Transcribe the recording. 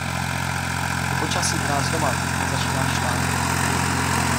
To počasí u nás doma už mě začíná štvát.